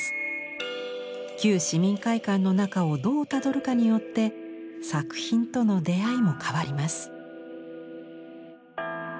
旧市民会館の中をどうたどるかによって作品との出会いも変わります。